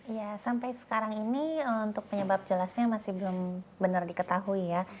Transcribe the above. ya sampai sekarang ini untuk penyebab jelasnya masih belum benar diketahui ya